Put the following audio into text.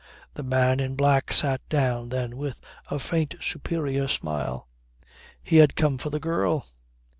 The man in black sat down then with a faint superior smile. He had come for the girl.